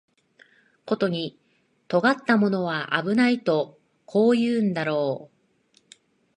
ことに尖ったものは危ないとこう言うんだろう